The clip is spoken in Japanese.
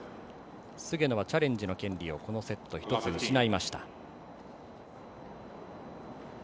菅野がチャレンジの権利を１つ、失いました。